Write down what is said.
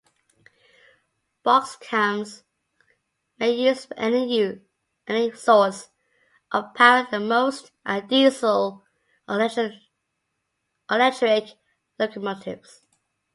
Boxcabs may use any source of power but most are diesel or electric locomotives.